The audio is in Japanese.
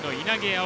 碧